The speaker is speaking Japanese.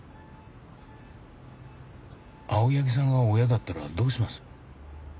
青柳さんが親だったらどうします？